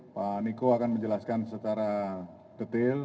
pak niko akan menjelaskan secara detail